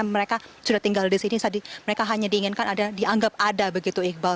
mereka sudah tinggal di sini mereka hanya diinginkan ada dianggap ada begitu iqbal